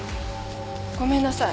ごめんなさい。